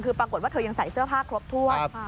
คือปรากฏว่าเธอยังใส่เสื้อผ้าครบถ้วน